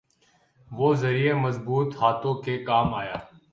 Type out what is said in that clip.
وہ ذریعہ مضبوط ہاتھوں کے کام آیا۔